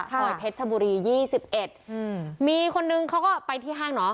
ค่ะออยเพชรชบุรียี่สิบเอ็ดอืมมีคนนึงเขาก็ไปที่ห้างเหรอ